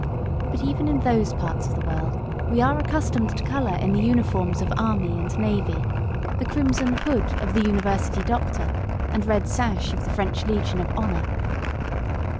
But even in those parts of the world we are accustomed to colour in the uniforms of army and navy, the crimson "hood" of the university doctor, and red sash of the French Legion of Honour.